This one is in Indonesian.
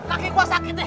kaki gua sakit deh